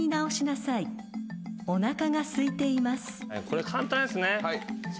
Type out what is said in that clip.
これ簡単ですね。